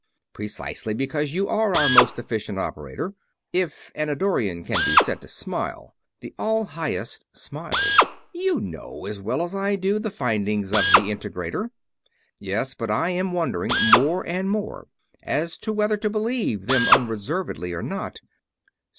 "Precisely because you are our most efficient operator." If an Eddorian can be said to smile, the All Highest smiled. "You know, as well as I do, the findings of the Integrator." "Yes, but I am wondering more and more as to whether to believe them unreservedly or not.